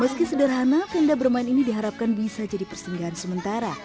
meski sederhana tenda bermain ini diharapkan bisa jadi persinggahan sementara